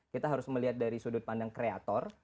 kita harus melihat dari sudut pandang kreator